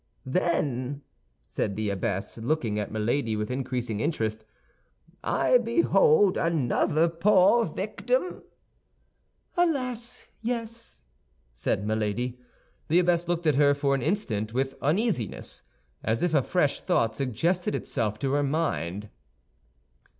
"Then," said the abbess, looking at Milady with increasing interest, "I behold another poor victim?" "Alas, yes," said Milady. The abbess looked at her for an instant with uneasiness, as if a fresh thought suggested itself to her mind.